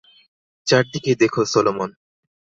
চারদিকে দেখো সলোমন।